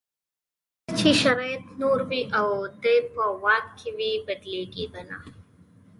کله چې شرایط نور وي او دی په واک کې وي بدلېږي به نه.